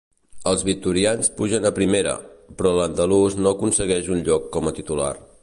Els vitorians pugen a Primera, però l'andalús no aconsegueix un lloc com a titular.